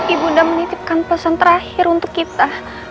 ibunda menitipkan pesan terakhir untuk kita